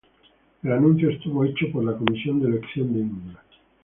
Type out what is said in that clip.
El anuncio estuvo hecho por la Comisión de Elección de India.